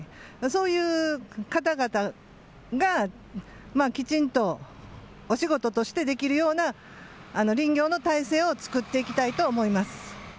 そういう方々がきちんとお仕事としてできるような林業の体制を作っていきたいと思います。